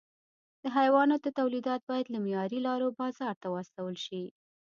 د حیواناتو تولیدات باید له معیاري لارو بازار ته واستول شي.